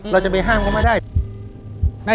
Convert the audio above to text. เราจะไปห้ามเขาไม่ได้